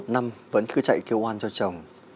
một mươi một năm vẫn cứ chạy kêu oan cho chồng